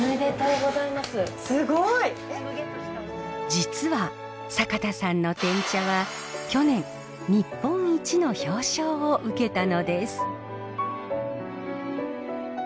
実は阪田さんのてん茶は去年日本一の表彰を受けたのです。